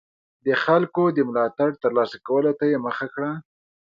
د خلکو د ملاتړ ترلاسه کولو ته یې مخه کړه.